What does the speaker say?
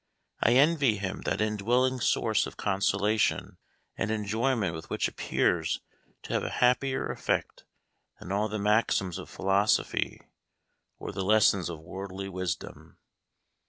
I envy him that indwelling source of consolation and enjoyment which appears to have a happier effect than all the maxims of philosophy or the lessons of worldly wisdom."